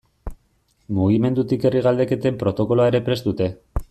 Mugimendutik herri galdeketen protokoloa ere prest dute.